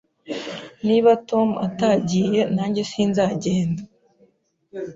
Niba Tom atagiye, nanjye sinzagenda.